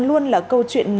luôn là câu chuyện nổi tiếng